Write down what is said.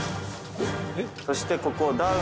そしてここ。